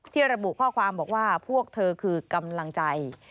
ระบุข้อความบอกว่าพวกเธอคือกำลังใจ